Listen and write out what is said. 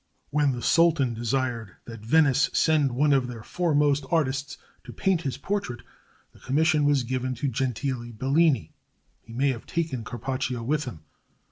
When the sultan desired that Venice send one of her foremost artists to paint his portrait, the commission was given to Gentile Bellini. He may have taken Carpaccio with him.